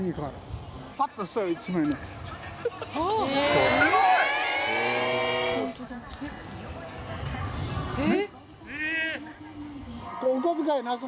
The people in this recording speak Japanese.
すごい！え！